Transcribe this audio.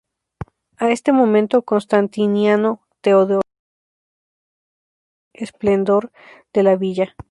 A este momento constantiniano-teodosiano pertenece el mayor esplendor de la villa.